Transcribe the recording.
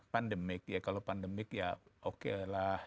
pandemic ya kalau pandemic ya oke lah